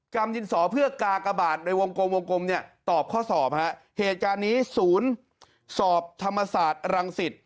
กรรมดินสอเพื่อกากบาทในวงกลมวงกลมเนี่ยตอบข้อสอบฮะเหตุการณ์นี้ศูนย์สอบธรรมศาสตร์รังสิต